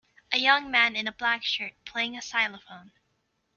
A young man in a black shirt playing a xylophone.